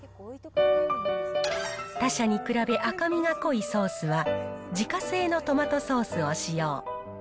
他社に比べ赤みが濃いソースは、自家製のトマトソースを使用。